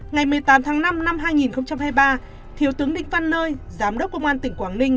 ngày một mươi tám tháng năm năm hai nghìn hai mươi ba thiếu tướng định văn nơi giám đốc công an tỉnh quảng ninh